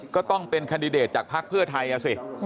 ก็ต้องเป็นแคนดิเดตจากภักดิ์เพื่อไทยอ่ะสิ